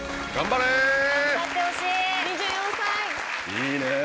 いいね。